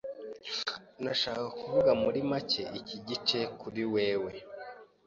Ndashaka kuvuga muri make iki gice kuri wewe.